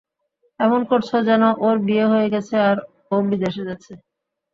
এমন করছো যেন ওর বিয়ে হয়ে গেছে আর ও বিদেশে যাচ্ছে।